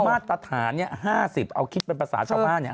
มาตรฐาน๕๐เอาคิดเป็นภาษาชาวบ้านเนี่ย